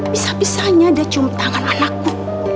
bisa bisanya dia cium tangan anakku